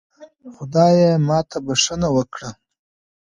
خدایا ماته بښنه وکړه